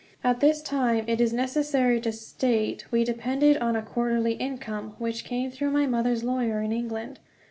At that time, it is necessary to state, we depended on a quarterly income, which came through my mother's lawyer in England.